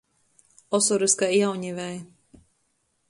Osorys kai jaunivei.